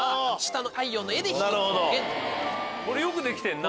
これよくできてんな。